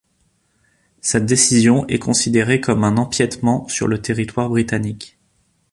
Cette décision est considérée comme un empiètement sur le territoire britannique.